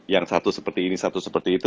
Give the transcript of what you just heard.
yang satu seperti ini satu seperti itu